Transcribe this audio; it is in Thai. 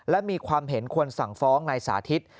และมีความเห็นควรสั่งฟ้องนายสาธิต